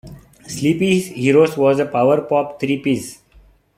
Sleepy Heroes was a power-pop three piece.